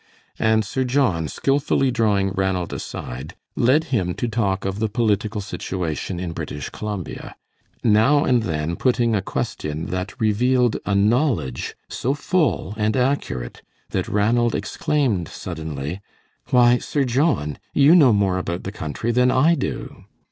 And Sir John, skillfully drawing Ranald aside, led him to talk of the political situation in British Columbia, now and then putting a question that revealed a knowledge so full and accurate that Ranald exclaimed, suddenly, "Why, Sir John, you know more about the country than I do!"